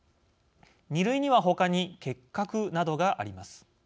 ２類には他に結核などがあります。